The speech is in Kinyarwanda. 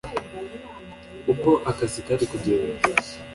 uko akazi kari kugenda.